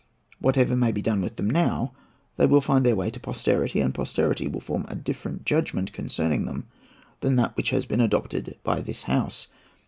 Whatever may be done with them now, they will find their way to posterity, and posterity will form a different judgment concerning them than that which has been adopted by this House.